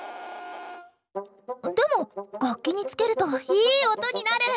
でも楽器につけるといい音になる！